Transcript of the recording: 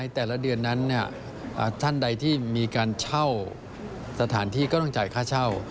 แต่ละเดือนนั้นท่านใดที่มีการเช่าสถานที่ก็ต้องจ่ายค่าเช่า